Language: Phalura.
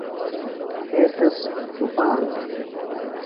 تھے تس ڇُھپانہ.